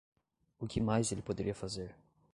O que mais ele poderia fazer?